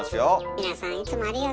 皆さんいつもありがと。